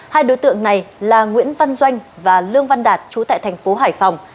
hai đối tượng này là nguyễn văn doanh và lương văn đạt chú tại thành phố hải phòng